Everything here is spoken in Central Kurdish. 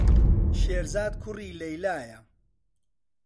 شێرزاد کوڕی لەیلایە.